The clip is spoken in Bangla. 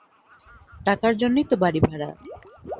টাকার জন্যেই তো বাড়ি ভাড়া।